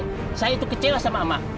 pak rt saya itu kecewa sama mak